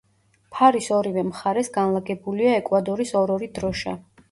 ფარის ორივე მხარეს განლაგებულია ეკვადორის ორ-ორი დროშა.